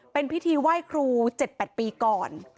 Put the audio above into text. เป็นพิธีไหว้ครู๗๘ปีก่อน